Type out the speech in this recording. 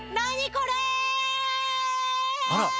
あら！